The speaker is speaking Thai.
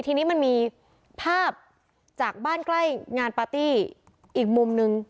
ทีนี้มันมีภาพจากบ้านใกล้งานปาร์ตี้อีกมุมนึง